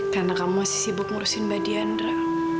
karena kamu masih sibuk ngurusin mbak dianra